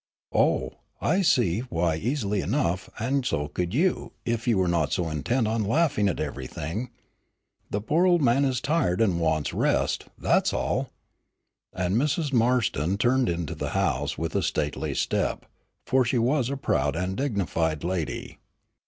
"Oh, I can see why easily enough, and so could you, if you were not so intent on laughing at everything. The poor old man is tired and wants rest, that's all." And Mrs. Marston turned into the house with a stately step, for she was a proud and dignified lady.